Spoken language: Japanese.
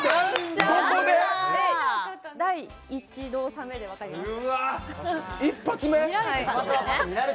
第１動作目で分かりました